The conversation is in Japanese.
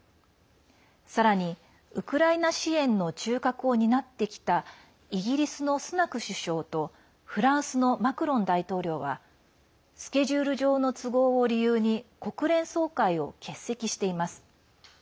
さらにウクライナ支援の中核を担ってきたイギリスのスナク首相とフランスのマクロン大統領はスケジュール上の都合を理由に国連総会を欠席しています。